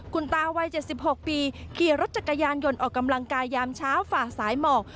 คุณตาวัย๗๖ปีขี่รถจักรยานยนต์ออกกำลังกายยามเช้าฝ่าสายหมอก